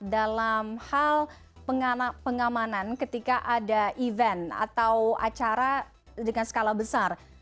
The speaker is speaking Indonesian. dalam hal pengamanan ketika ada acara dengan skala besar